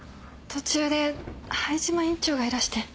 途中で灰島院長がいらして。